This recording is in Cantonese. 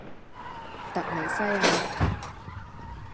突尼西亞